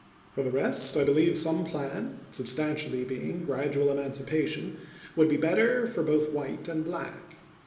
For the rest, I believe some plan, substantially being gradual emancipation, would be better for both white and black.